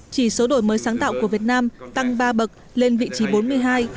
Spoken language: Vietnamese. chỉ số đổi mới sáng tạo của việt nam tăng ba bậc lên vị trí bốn mươi hai